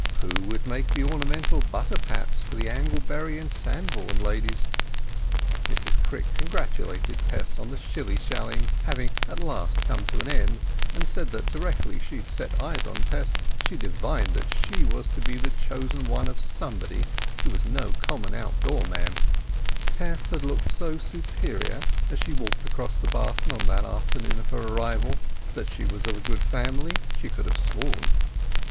Who would make the ornamental butter pats for the Anglebury and Sandbourne ladies? Mrs Crick congratulated Tess on the shilly shallying having at last come to an end, and said that directly she set eyes on Tess she divined that she was to be the chosen one of somebody who was no common outdoor man; Tess had looked so superior as she walked across the barton on that afternoon of her arrival; that she was of a good family she could have sworn.